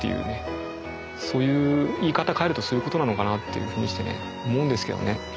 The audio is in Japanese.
そういう言い方変えるとそういう事なのかなというふうにしてね思うんですけどね。